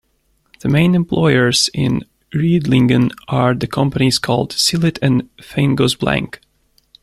The main employers in Riedlingen are the companies called "Silit" and " Feinguss Blank".